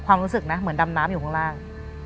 ความรู้สึกนะเหมือนดำน้ำอยู่ข้างล่าง